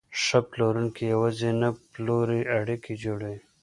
ښه پلورونکی یوازې نه پلوري، اړیکې جوړوي.